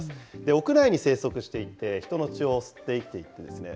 屋内に生息していて、人の血を吸って生きていくんですね。